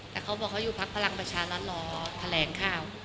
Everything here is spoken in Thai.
แต่เขาบอกว่าเขาอยู่พรรณกระชานรดลอแผลงข้าว